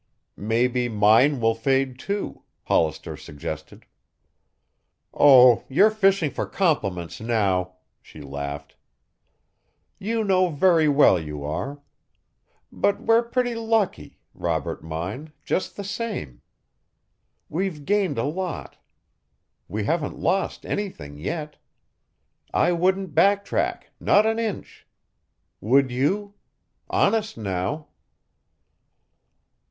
"Maybe mine will fade too," Hollister suggested. "Oh, you're fishing for compliments now," she laughed. "You know very well you are. But we're pretty lucky, Robert mine, just the same. We've gained a lot. We haven't lost anything yet. I wouldn't back track, not an inch. Would you honest, now?"